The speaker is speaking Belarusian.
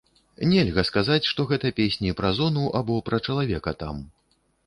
Нельга сказаць, што гэта песні пра зону або пра чалавека там.